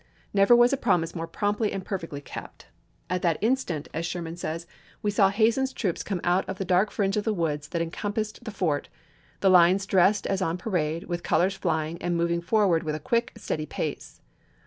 Never was a promise more promptly and perfectly kept. " At that instant," as Sherman says, " we saw Hazen's troops come out of the dark fringe of woods that encompassed the fort, the lines dressed as on parade, with colors flying, and moving forward with a quick, steady pace.